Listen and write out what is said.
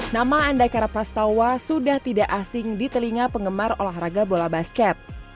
nama andai karapastawa sudah tidak asing di telinga penggemar olahraga bola basket